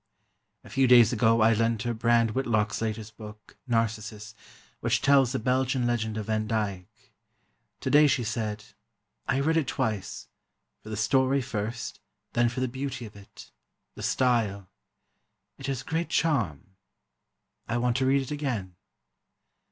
A few days ago I lent her Brand Whitlock's latest book, "Narcissus," which tells a Belgian legend of Van Dyck. Today she said: "I read it twice—for the story, first, then for the beauty of it—the style. It has great charm. I want to read it again."